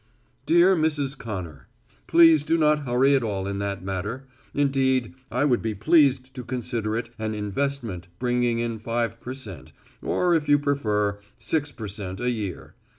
"_Dear Mrs. Connor: Please do not hurry at all in that matter. Indeed, I would be pleased to consider it an investment bringing in 5%, or if you prefer, 6% a year.